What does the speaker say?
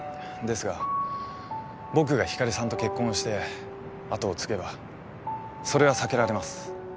ですが僕がひかりさんと結婚をして後を継げばそれは避けられます。